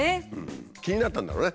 気になったんだろうね。